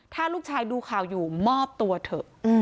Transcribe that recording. ถ้าลูกชายดูข่าวอยู่มอบตัวเถอะ